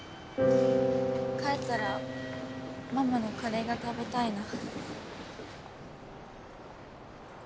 帰ったらママのカレーが食べたいな。